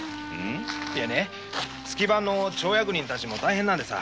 いえね月番の町役人も大変なんでさ。